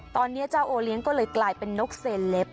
ตอนนี้เจ้าโอเลี้ยงก็เลยกลายเป็นนกเซลป